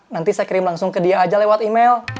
nanti saya kirim langsung ke dia aja lewat email